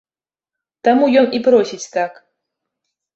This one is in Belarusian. Таму ён і просіць так.